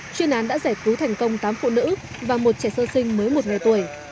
chuyên án đã giải cứu thành công tám phụ nữ và một trẻ sơ sinh mới một ngày tuổi